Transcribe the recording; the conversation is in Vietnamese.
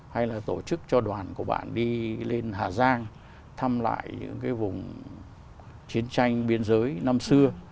hay là tổ chức cho đoàn của bạn đi lên hà giang thăm lại những cái vùng chiến tranh biên giới năm xưa